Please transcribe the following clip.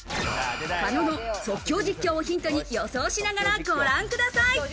狩野の即興実況をヒントに予想しながらご覧ください。